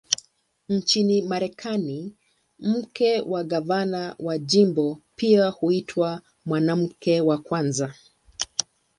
Nchini Marekani, mke wa gavana wa jimbo pia huitwa "Mwanamke wa Kwanza".